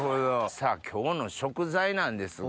さぁ今日の食材なんですが。